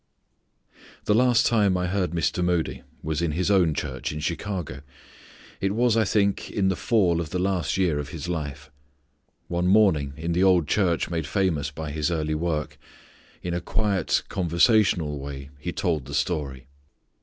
The last time I heard Mr. Moody was in his own church in Chicago. It was, I think, in the fall of the last year of his life. One morning in the old church made famous by his early work, in a quiet conversational way he told the story.